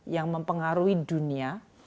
yang mempengaruhi dunia